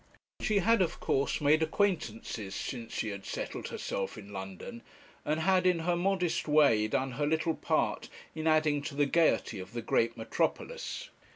She had of course made acquaintances since she had settled herself in London, and had, in her modest way, done her little part in adding to the gaiety of the great metropolis.